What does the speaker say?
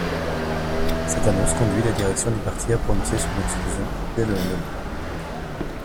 Cette annonce conduit la direction du parti à prononcer son exclusion dès le lendemain.